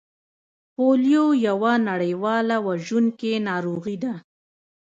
پولیو یوه نړیواله وژونکې ناروغي ده